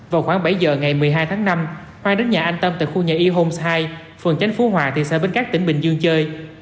vào khoảng bảy giờ ngày một mươi hai tháng năm khoai đến nhà anh tâm tại khu nhà y homes hai phường chánh phú hòa thị xã bến cát tỉnh bình dương chơi